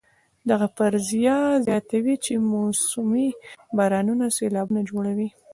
دغه فرضیه زیاتوي چې موسمي بارانونه سېلابونه جوړوي.